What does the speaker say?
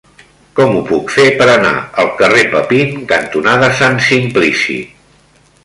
Com ho puc fer per anar al carrer Papin cantonada Sant Simplici?